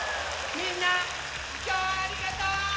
みんなきょうはありがとう！